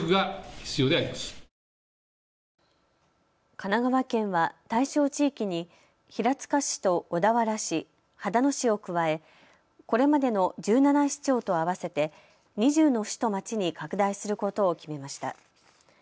神奈川県は対象地域に平塚市と小田原市、秦野市を加え、これまでの１７市町と合わせて２０の市と町に拡大することを決めました。